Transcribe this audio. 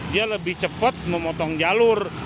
dia lebih cepat memotong jalur